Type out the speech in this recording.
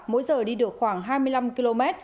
mỗi giờ đi được khoảng hai mươi năm km